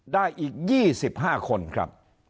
ได้อีก๒๕คนครับ